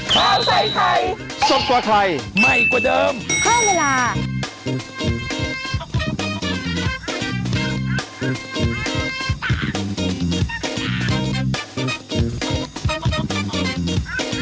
โปรดติดตามตอนต่อไป